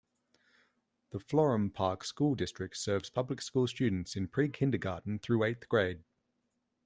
The Florham Park School District serves public school students in pre-kindergarten through eighth grade.